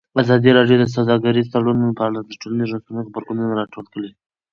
ازادي راډیو د سوداګریز تړونونه په اړه د ټولنیزو رسنیو غبرګونونه راټول کړي.